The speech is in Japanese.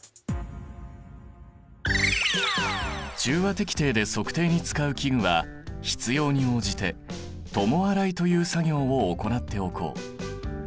滴定で測定に使う器具は必要に応じて共洗いという作業を行っておこう。